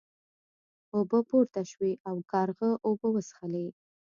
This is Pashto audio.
اوبه پورته شوې او کارغه اوبه وڅښلې.